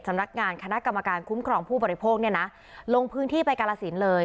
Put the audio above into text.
สำนักงานคณะกรรมการคุ้มครองผู้บริโภคเนี่ยนะลงพื้นที่ไปกาลสินเลย